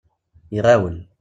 Iɣawel.